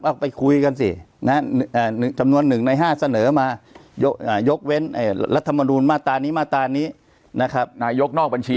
เอาไปคุยกันจำนวนหนึ่งใน๕เสนออยกเว้นรัฐธรรมรุนมาตาร์นี้